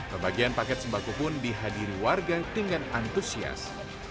pembagian paket sembako pun dihadiri warga dengan antusias